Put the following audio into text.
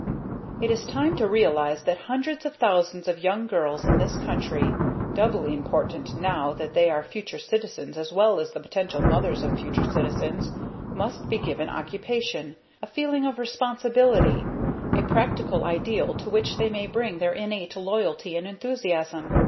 It is time to realize that hundreds of thousands of young girls in this country doubly important now that they are future citizens as well as the potential mothers of future citizens must be given occupation, a feeling of responsibility, a practical ideal to which they may bring their innate loyalty and enthusiasm.